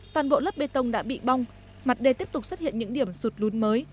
toàn bộ lớp bê tông đã bị bong mặt đê tiếp tục xuất hiện những điểm sụt lún mới